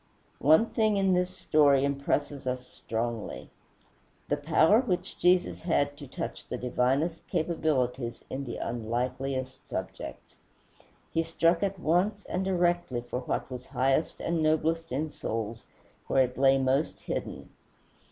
One thing in this story impresses us strongly, the power which Jesus had to touch the divinest capabilities in the unlikeliest subjects. He struck at once and directly for what was highest and noblest in souls where it lay most hidden.